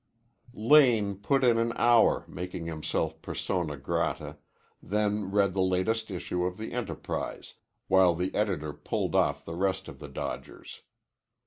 Lane put in an hour making himself persona grata, then read the latest issue of the "Enterprise" while the editor pulled off the rest of the dodgers.